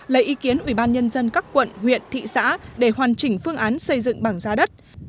lấy ý kiến ủy ban nhân dân các quận huyện thị xã để hoàn chỉnh phương án xây dựng bảng giá đất